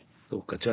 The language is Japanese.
じゃあ。